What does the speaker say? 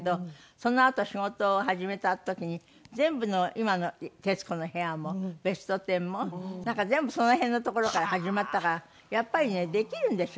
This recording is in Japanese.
そのあと仕事を始めた時に全部の今の『徹子の部屋』も『ベストテン』も全部その辺のところから始まったからやっぱりねできるんですよ